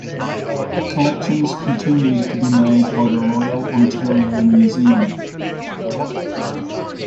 Collections continued to be made by the Royal Ontario Museum.